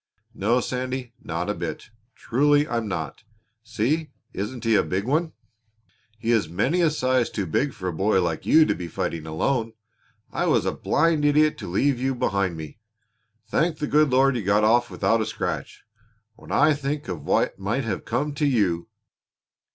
"No, Sandy, not a bit. Truly I'm not. See! Isn't he a big one?" "He is many a size too big for a boy like you to be fighting alone. I was a blind idiot to leave you behind me. Thank the good Lord you got off without a scratch. When I think of what might have come to you